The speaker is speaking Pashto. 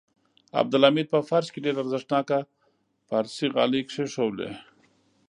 عبدالحمید په فرش کې ډېر ارزښتناکه پارسي غالۍ کېښودلې.